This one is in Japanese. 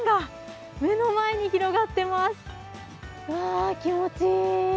あ気持ちいい。